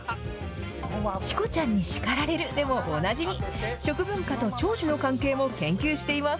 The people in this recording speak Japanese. チコちゃんに叱られるでもおなじみ、食文化と長寿の関係も研究しています。